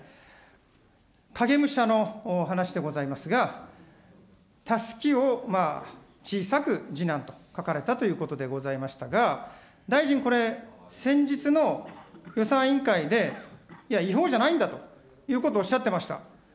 影武者の話でございますが、たすきを小さく次男と書かれたということでございましたが、大臣これ、先日の予算委員会で、いや、違法じゃないんだということをおっしゃってました。